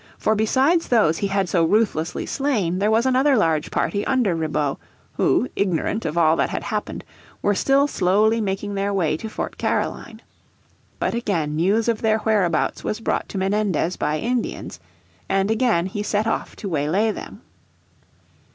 For besides those he had so ruthlessly slain there was another large party under Ribaut, who, ignorant of all that had happened, were still slowly making their way to Fort Caroline. But again news of their whereabouts was brought to Menendez by Indians, and again he set off to waylay them.